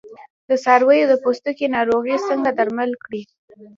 د څارویو د پوستکي ناروغۍ څنګه درمل کړم؟